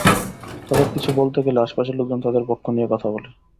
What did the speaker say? তাদের কিছু বলতে গেলে আশপাশের লোকজন তাদের পক্ষ নিয়ে কথা বলে।